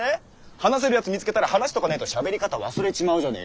話せるやつ見つけたら話しとかねーと喋り方忘れちまうじゃねえかよォ。